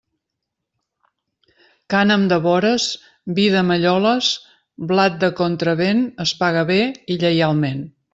Cànem de vores, vi de malloles, blat de contravent es paga bé i lleialment.